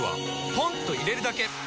ポンと入れるだけ！